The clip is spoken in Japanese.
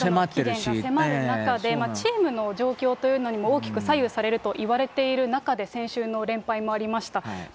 トレードの期限が迫る中で、チームの状況というのにも大きく左右されると言われている中で、先週の連敗もありました。